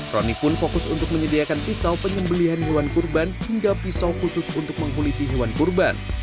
roni pun fokus untuk menyediakan pisau penyembelian hewan kurban hingga pisau khusus untuk mengkuliti hewan kurban